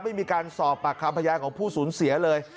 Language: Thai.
ไม่มีการสอบปากคำพยานของผู้สูญเสียเลย